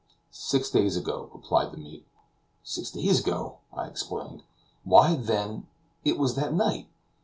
"Six days ago," replied the mate. "Six days ago!" I exclaimed; "why, then, it was that night."